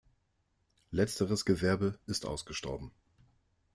Letzteres Gewerbe ist ausgestorben.